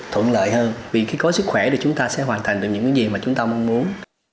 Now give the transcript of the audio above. thuận lợi hơn vì khi có sức khỏe thì chúng ta sẽ hoàn thành được những cái gì mà chúng ta mong muốn